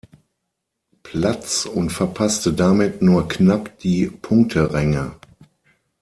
Platz und verpasste damit nur knapp die Punkteränge.